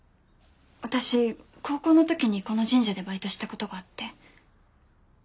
私高校の時にこの神社でバイトした事があって。